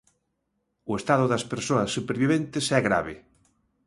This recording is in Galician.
O estado das persoas superviventes é grave.